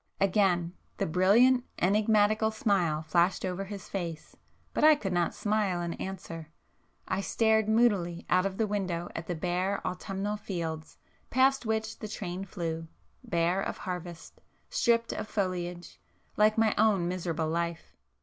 Again the brilliant enigmatical smile flashed over his face,—but I could not smile in answer. I stared moodily out of the window at the bare autumnal fields, past which the train flew,—bare of harvest,—stripped of foliage—like my own miserable life.